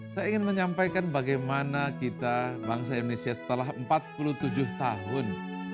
saya ingin menyampaikan bagaimana kita bangsa indonesia setelah empat puluh tujuh tahun